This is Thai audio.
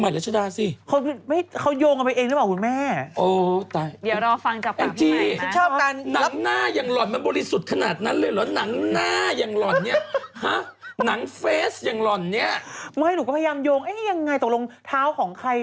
พี่เจนเขาก็มาบางวันมาออกมาเขาก็ไม่ได้เจอเขาแต่งงานเมื่อไหร่สมุดผุวลาไง